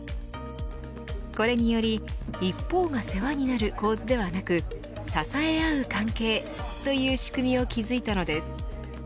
これにより一方が世話になる構図ではなく支え合う関係という仕組みを築いたのです。